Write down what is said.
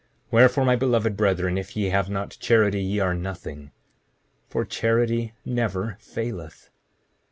7:46 Wherefore, my beloved brethren, if ye have not charity, ye are nothing, for charity never faileth.